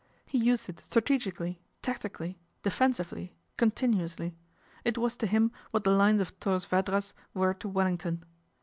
He used it strategically, tactically, lefensively, continuously. It was to him what :he lines of Torres Vedras were to Wellington.